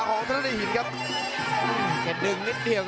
จอมพะเดชน์ยกเข้าให้